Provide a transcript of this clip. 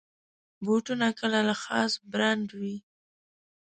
بوټونه کله له خاص برانډ وي.